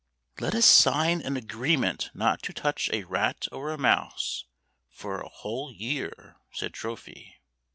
"" Let us sign an agreement not to touch a rat or a mouse for a whole year," said Trophy.